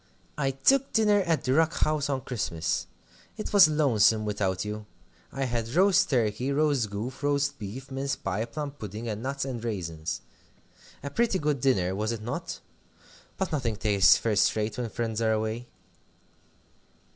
'I took dinner at the Rock House on Christmas. It was lonesome without you. I had roast turkey, roast goose, roast beef, mince pie, plum pudding, and nuts and raisins. A pretty good dinner, was it not? But nothing tastes first rate when friends are away.'"